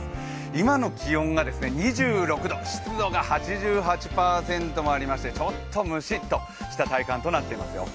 今の気温が２６度、湿度が８８％もありましてちょっとムシっとした体感となっていますよ。